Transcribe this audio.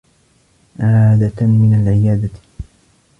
عادة من العيادة.